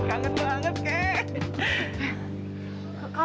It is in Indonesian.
kangen banget kakek